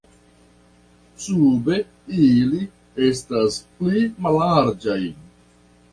Sube ili estas pli mallarĝaj.